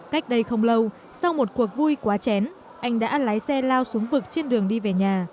cách đây không lâu sau một cuộc vui quá chén anh đã lái xe lao xuống vực trên đường đi về nhà